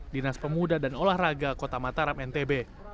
dinas pemuda dan olahraga kota mataram ntb